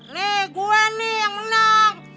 leh gue nih yang menang